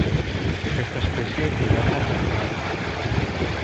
Aquesta espècie hiverna com a larva.